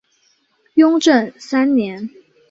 雍正三年。